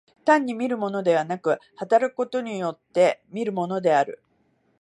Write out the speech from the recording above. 単に見るものでなく、働くことによって見るものである。